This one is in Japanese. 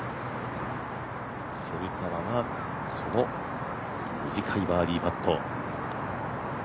蝉川はこの短いバーディーパット。